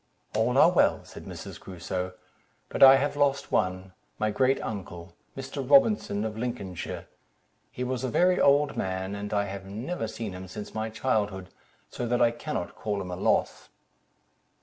"All are well," said Mrs. Crusoe; "but I have lost one, my great uncle, Mr. Robinson, of Lincolnshire; he was a very old man, and I have never seen him since my childhood, so that I cannot call him a loss."